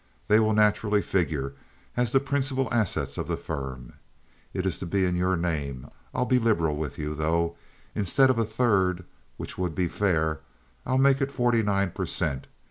They will naturally figure as the principal assets of the firm. It's to be in your name. I'll be liberal with you, though. Instead of a third, which would be fair, I'll make it forty nine per cent.